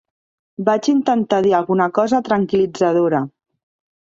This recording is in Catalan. Vaig intentar dir alguna cosa tranquil·litzadora.